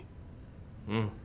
うん。